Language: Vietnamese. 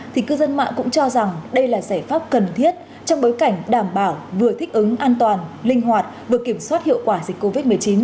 thì cư dân mạng cũng cho rằng đây là giải pháp cần thiết trong bối cảnh đảm bảo vừa thích ứng an toàn linh hoạt vừa kiểm soát hiệu quả dịch covid một mươi chín